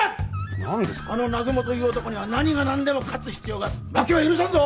何ですかあの南雲という男には何が何でも勝つ必要がある負けは許さんぞ！